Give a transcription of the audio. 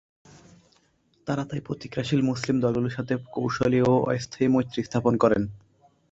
তারা তাই প্রতিক্রিয়াশীল মুসলিম দলগুলোর সাথে কৌশলী ও অস্থায়ী মৈত্রী স্থাপন করেন।